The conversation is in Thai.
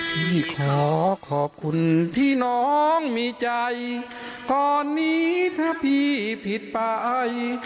พี่ขอขอบคุณที่น้องมีใจตอนนี้ถ้าพี่ผิดไป